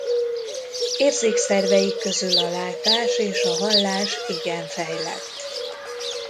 Érzékszerveik közül a látás és a hallás igen fejlett.